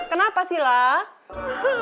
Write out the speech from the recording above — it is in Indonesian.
kenapa sih lah